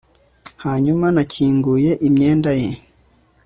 hanyuma nakinguye imyenda ye